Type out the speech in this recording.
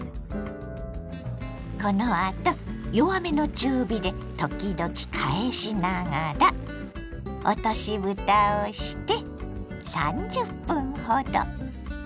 このあと弱めの中火で時々返しながら落としぶたをして３０分ほど。